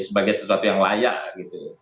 sebagai sesuatu yang layak gitu